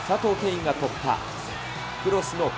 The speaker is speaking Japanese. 允が突破。